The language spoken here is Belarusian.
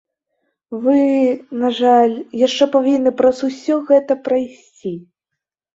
Вы, на жаль, яшчэ павінны праз усё гэта прайсці.